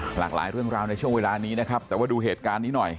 หลากหลายเรื่องราวในช่วงเวลานี้นะครับแต่ว่าดูเหตุการณ์นี้หน่อย